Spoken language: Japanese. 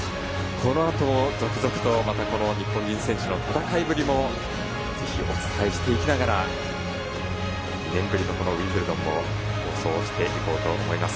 このあとも続々と日本人選手の戦いぶりもぜひお伝えしていきながら２年ぶりのウィンブルドンを放送していこうと思います。